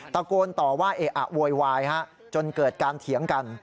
ตะโกนต่อว่าเอะอะโวยวายจนเกิดการเถียงกัน